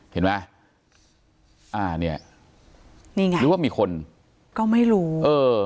เห็นไหมอ่าเนี่ยนี่ไงหรือว่ามีคนก็ไม่รู้เออ